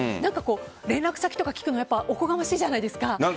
連絡先とか聞くのおこがましいじゃないですか。